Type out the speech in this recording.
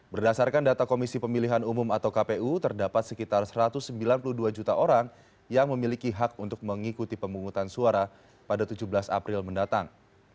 berdasarkan data komisi pemilihan umum atau kpu terdapat sekitar satu ratus sembilan puluh dua juta orang yang memiliki hak untuk mengikuti pemungutan suara pada tujuh belas april mendatang